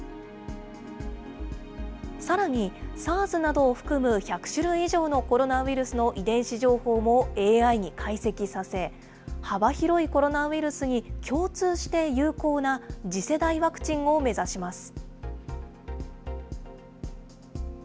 さらに、ＳＡＲＳなどを含む１００種類以上のコロナウイルスの遺伝子情報もＡＩに解析させ、幅広いコロナウイルスに共通して有効な次世代ワクチンを目指します。